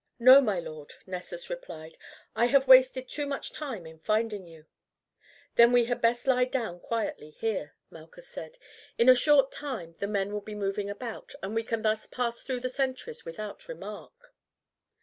"No, my lord," Nessus replied; "I have wasted too much time in finding you." "Then we had best lie down quietly here," Malchus said; "in a short time the men will be moving about, and we can then pass through the sentries without remark."